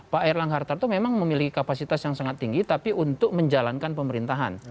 pak erlangga hartarto memang memiliki kapasitas yang sangat tinggi tapi untuk menjalankan pemerintahan